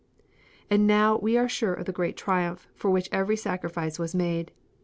"And now we are sure of the great triumph for which every sacrifice was made.